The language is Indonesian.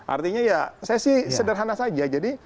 artinya ya saya sih sederhana saja